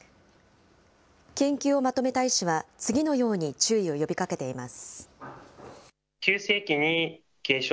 研究をまとめた医師は、次のように注意を呼びかけています。